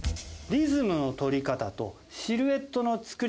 リズムの取り方とシルエットの作り方